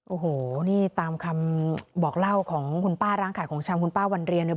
โอ้โหนี่ตามคำบอกเล่าของคุณป้าร้านขายของชำคุณป้าวันเรียงเนี่ย